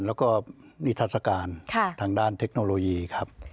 แล้วก็นิทัศกาลทางด้านเทคโนโลยีครับ